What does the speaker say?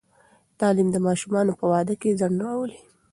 تعلیم د ماشومانو په واده کې ځنډ راولي.